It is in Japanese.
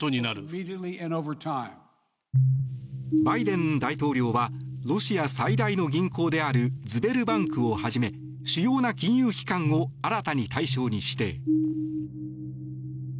バイデン大統領はロシア最大の銀行であるズベルバンクをはじめ主要な金融機関を新たに対象に指定。